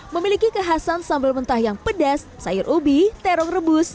memiliki kekhasan sambal mentah yang pedas sayur ubi terong rebus